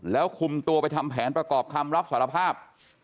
แล้วคุมตัวไปทำแผนประกอบคำรับสารภาพ